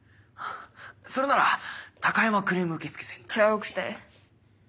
それなら高山クレーム受付センターに。ちゃうくて。